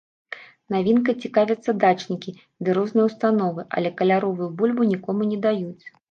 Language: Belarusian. Навінкай цікавяцца дачнікі ды розныя ўстановы, але каляровую бульбу нікому не даюць.